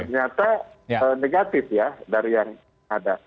ternyata negatif ya dari yang ada